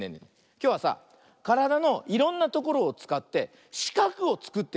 きょうはさからだのいろんなところをつかってしかくをつくってみるよ。